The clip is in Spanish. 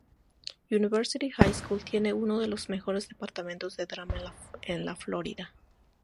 University High School tiene uno de los mejores departamentos de drama en la Florida.